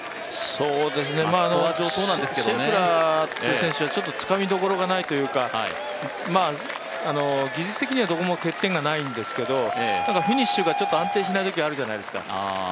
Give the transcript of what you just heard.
シェフラーという選手はつかみどころがないというか、技術的にはどこも欠点がないんですけど、フィニッシュが安定しないときあるじゃないですか。